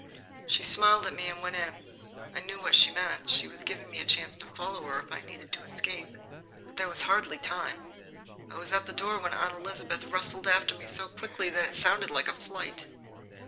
She smiled at me and went in. I knew what that meant. She was giving me a chance to follow her, if I needed to escape. But there was hardly time. I was at the door when Aunt Elizabeth rustled after so quickly that it sounded like a flight.